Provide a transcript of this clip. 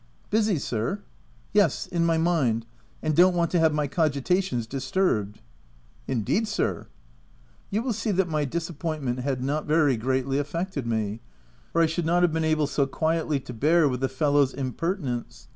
"Busy, sir?" " Yes, in my mind, and don't want to have my cogitations disturbed." " Indeed, sir !" You w r ill see that my disappointment had not very greatly affected me, or I should not have been able so quietly to bear with the fellow's impertinence.